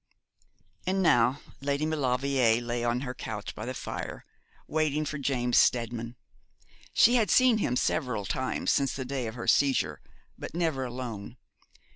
And now Lady Maulevrier lay on her couch by the fire, waiting for James Steadman. She had seen him several times since the day of her seizure, but never alone.